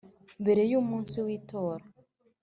mbere y’umunsi w’itora